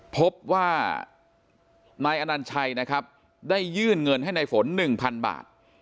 พบว่านายอนันชัยได้ยื่นเงินให้นายฝน๑๐๐๐บาท